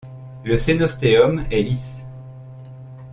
Le coenosteum est lisse.